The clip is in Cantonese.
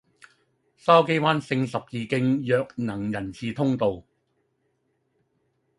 筲箕灣聖十字徑弱能人士通道